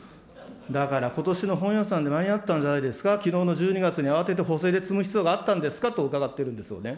だからことしの本予算で間に合ったんじゃないですか、きのうの１２月に慌てて補正で積む必要があったんですかと伺っているんですよね。